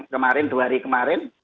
kemarin dua hari kemarin